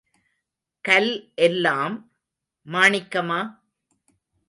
கல் எல்லாம் மாணிக்கமா?